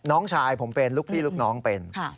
น้องชายผมเป็นลูกพี่ลูกน้องเป็น